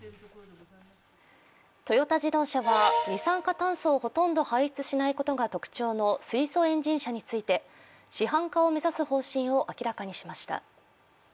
トヨタ自動車は二酸化炭素をほとんど排出しないことが特徴の水素エンジン車について、市販化を目指す方針を明らかにしました。